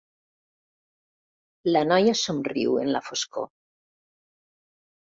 La noia somriu en la foscor.